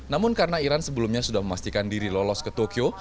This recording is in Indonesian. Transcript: namun karena iran sebelumnya sudah memastikan diri lolos ke tokyo